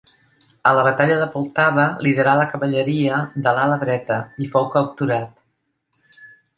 A la batalla de Poltava liderà la cavalleria de l’ala dreta i fou capturat.